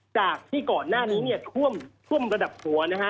จากที่ก่อนหน้านี้ท่วมระดับหัว